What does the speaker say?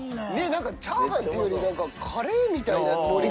なんかチャーハンっていうよりカレーみたいな盛り方。